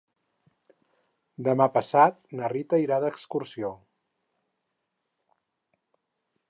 Demà passat na Rita irà d'excursió.